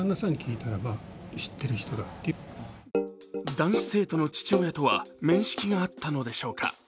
男子生徒の父親とは面識があったのでしょうか。